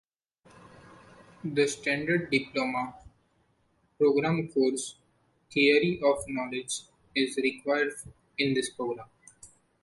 The standard Diploma programme course, Theory of Knowledge, is required in this program.